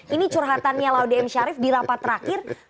ini curhatannya laudem syarif di rapat terakhir